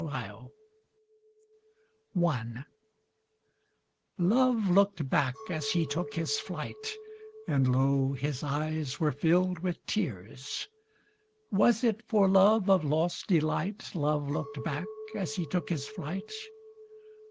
Triolets I Love looked back as he took his flight, And lo, his eyes were filled with tears. Was it for love of lost delight Love looked back as he took his flight?